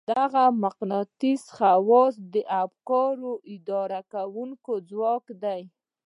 دغه مقناطيسي خواص د افکارو اداره کوونکی ځواک دی.